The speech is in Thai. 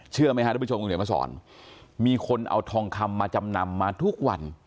เชื่อไหมฮะทุกผู้ชมคุณเขียนมาสอนมีคนเอาทองคำมาจำนำมาทุกวัน